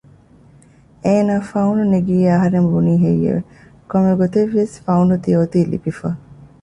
އޭނާ ފައުނު ނެގިއޭ އަހަރެން ބުނީހެއްޔެވެ؟ ކޮންމެ ގޮތެއްވިޔަސް ފައުނު ތިޔައޮތީ ލިބިފަ